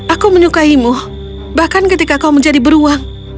aku menyukai mu bahkan ketika kau menjadi beruang